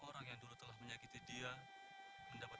emang dia kebagusan apa